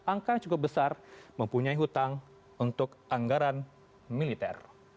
angka cukup besar mempunyai hutang untuk anggaran militer